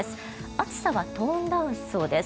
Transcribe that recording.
暑さはトーンダウンしそうです。